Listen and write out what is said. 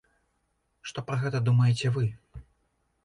Што пра гэта думаеце вы?